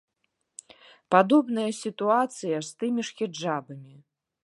Падобная сітуацыя з тымі ж хіджабамі.